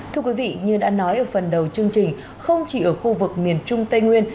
thưa quý vị như đã nói ở phần đầu chương trình không chỉ ở khu vực miền trung tây nguyên